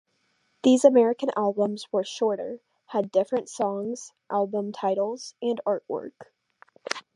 These American albums were shorter, had different songs, album titles and artwork.